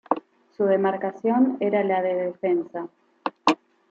Su demarcación era la de defensa.